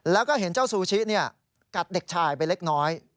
แล้วก็เห็นเจ้าซูชิกัดเด็กชายไปเล็กน้อย